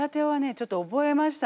ちょっと覚えましたんでね